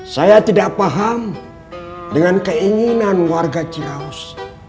saya tidak paham dengan keinginan warga ciraus